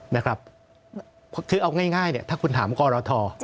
นะครับคือเอาง่ายเนี่ยถ้าคุณถามกรท